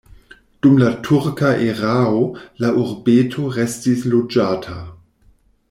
Dum la turka erao la urbeto restis loĝata.